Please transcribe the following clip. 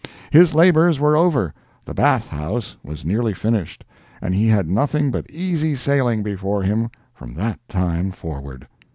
His labors were over, the bath house was nearly finished, and he had nothing but easy sailing before him from that time forward.